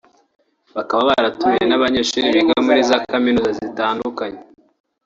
bakaba baratumiye n’abanyeshuri biga muri za kaminuza zitandukanye